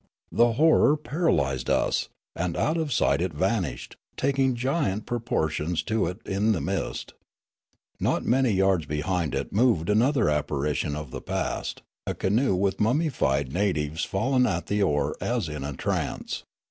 The horror paralysed us, and out of sight it vanished, taking giant proportions to it in the mist. Not many yards behind it moved another apparition of the past, a canoe with mummied natives fallen at the oar as in a trance.